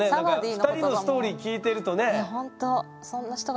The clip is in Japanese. ２人のストーリー聞いてるとね。